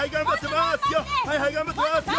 はいはいがんばってますよ！